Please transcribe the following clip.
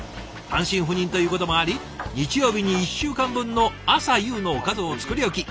単身赴任ということもあり日曜日に１週間分の朝夕のおかずを作り置き。